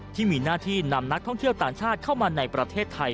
ที่มีหน้าที่นำนักท่องเที่ยวต่างชาติเข้ามาในประเทศไทย